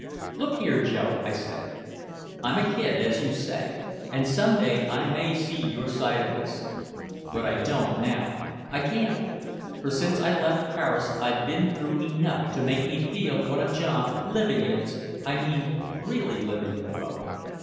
"Look here, Joe," I said. "I'm a kid, as you say, and some day I may see your side of this. But I don't now, I can't for since I left Paris I've been through enough to make me feel what a job living is, I mean really living and growing.